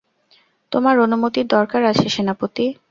তোমার অনুমতির দরকার আছে, সেনাপতি?